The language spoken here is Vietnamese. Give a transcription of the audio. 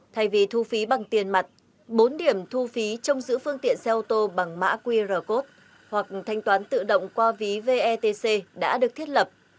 thay vì thu phí bằng tiền mặt bốn điểm thu phí trong giữ phương tiện xe ô tô bằng mã qr code hoặc thanh toán tự động qua ví vetc đã được thiết lập